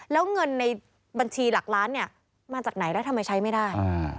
แล้วเงินในบัญชีหลักล้านเนี่ยมาจากไหนแล้วทำไมใช้ไม่ได้